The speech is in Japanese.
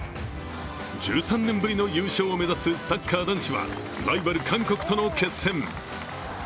１３年ぶりの優勝を目指すサッカー男子はライバル・韓国との決戦。